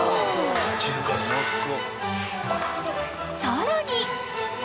［さらに］